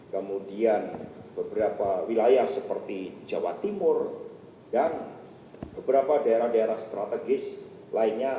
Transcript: kemudian beberapa wilayah seperti jawa timur dan beberapa daerah daerah strategis lainnya